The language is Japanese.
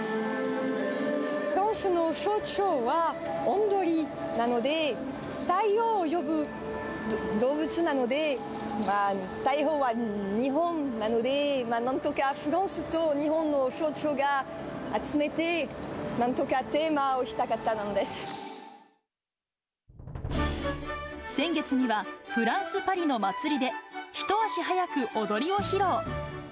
フランスの象徴は、おんどりなので、太陽を呼ぶ動物なので、太陽は日本なので、なんとかフランスと日本の象徴を集めて、なんとかテーマをしたか先月には、フランス・パリの祭りで、一足早く踊りを披露。